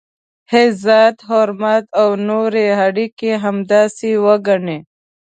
عزت، حرمت او نورې اړیکي همداسې وګڼئ.